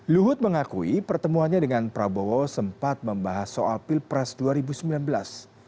luhut mengakui pertemuannya dengan prabowo sempat membahas soal pilpres dua ribu sembilan belas